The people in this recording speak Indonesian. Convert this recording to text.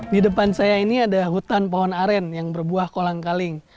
di depan saya ini ada hutan pohon aren yang berbuah kolang kaling